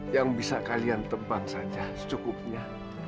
yang bisa kalian tebang saja secukupnya